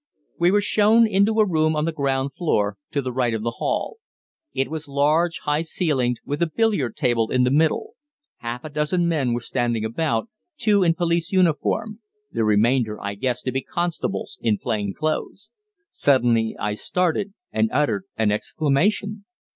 We were shown into a room on the ground floor, to the right of the hall. It was large, high ceilinged, with a billiard table in the middle. Half a dozen men were standing about, two in police uniform; the remainder I guessed to be constables in plain clothes. Suddenly I started, and uttered an exclamation.